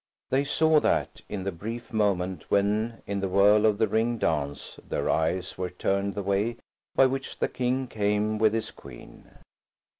They saw that in the brief moment when, in the whirl of the ringed dance, their eyes were turned the way by which the King came with his Queen.